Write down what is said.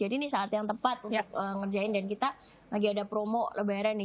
jadi ini saat yang tepat untuk ngerjain dan kita lagi ada promo lebaran nih